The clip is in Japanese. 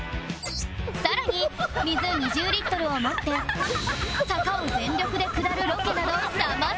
さらに水２０リットルを持って坂を全力で下るロケなど様々！